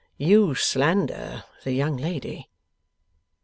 'You slander the young lady.